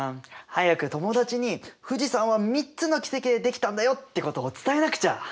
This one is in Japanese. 早く友達に富士山は３つの奇跡でできたんだよってことを伝えなくちゃ。